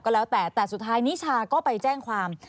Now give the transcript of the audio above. แล้วแต่แต่สุดท้ายนิชาก็ไปแจ้งความ